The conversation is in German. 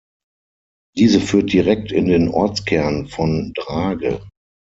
Diese führt direkt in den Ortskern von Drage.